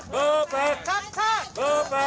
ชับชัด